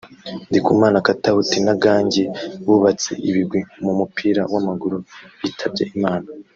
Ndikumana Katauti na Gangi bubatse ibigwi mu mupira w’amaguru bitabye Imana